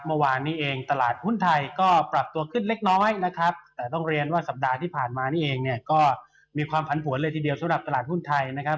เมื่อวานนี้เองตลาดหุ้นไทยก็ปรับตัวขึ้นเล็กน้อยนะครับแต่ต้องเรียนว่าสัปดาห์ที่ผ่านมานี่เองเนี่ยก็มีความผันผวนเลยทีเดียวสำหรับตลาดหุ้นไทยนะครับ